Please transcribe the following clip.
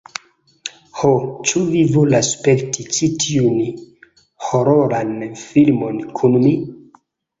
Ho, ĉu vi volas spekti ĉi tiun hororan filmon kun mi?